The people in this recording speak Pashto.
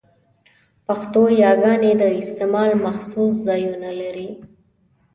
پښتو يګاني د استعمال مخصوص ځایونه لري؛